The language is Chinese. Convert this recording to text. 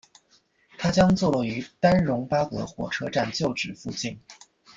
它将坐落于丹戎巴葛火车站旧址附近。